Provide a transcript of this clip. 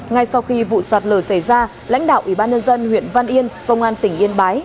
ngay sau khi vụ sạt lở xảy ra lãnh đạo ủy ban nhân dân huyện văn yên công an tỉnh yên bái